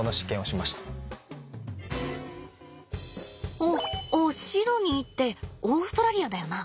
おおシドニーってオーストラリアだよな。